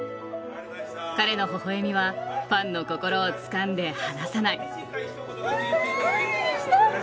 彼の微笑みはファンの心をつかんで離さない。